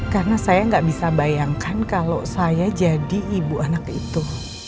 karena saya gak bisa bayangkan kalau saya jadi ibu anak itu